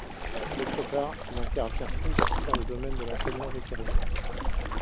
D'autre part il intervient aussi dans le domaine de l'enseignement vétérinaire.